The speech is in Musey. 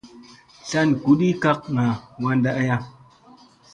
Tlan guɗi kakŋga wanda aya.